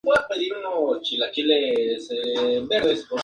I. Magallón, y R. Mª Marina.